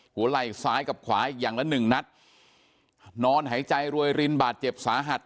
ไหล่ซ้ายกับขวาอีกอย่างละหนึ่งนัดนอนหายใจรวยรินบาดเจ็บสาหัส